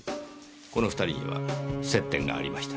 この２人には接点がありました。